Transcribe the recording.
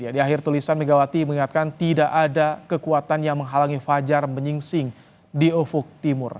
di akhir tulisan megawati mengingatkan tidak ada kekuatan yang menghalangi fajar menyingsing di ufuk timur